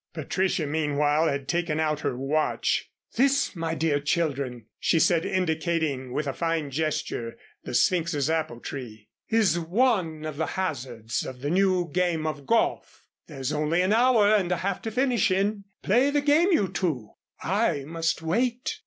Patricia meanwhile had taken out her watch. "This, my dear children," she said, indicating with a fine gesture, the Sphynx's apple tree, "is one of the hazards of the New Game of Golf. There is only an hour and a half to finish in. Play the game, you two, I must wait."